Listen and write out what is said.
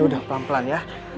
udah pelan pelan ya